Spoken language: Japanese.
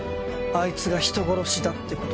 あいつが人殺しだってことが。